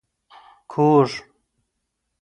کوږ